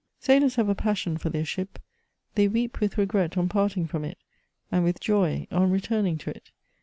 Sailors have a passion for their ship : they weep with regret on parting from it, and with joy on returning to it.